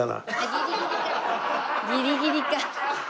ギリギリか。